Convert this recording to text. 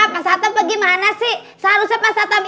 pak satam bagaimana sih seharusnya pak satam